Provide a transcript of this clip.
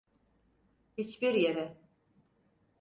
Hiç bir yere.